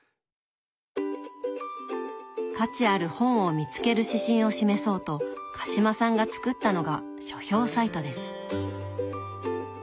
価値ある本を見つける指針を示そうと鹿島さんが作ったのが書評サイトです。